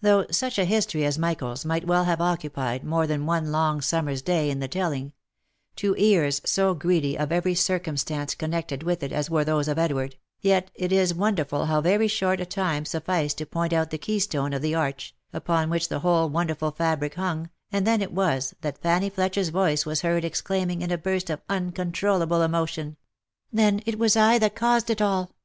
Though such a history as Michael's might well have occupied more than one long summer's day in the telling* to ears so greedy of every circumstance connected with it as were those of Edward, yet it is won derful how very short a time sufficed to point out the keystone of the arch, upon which the whole wonderful fabric hung, and then it was that Fanny Fletcher's voice w r as heard exclaiming in a burst of uncontrol lable emotion, " Then it was I that caused it all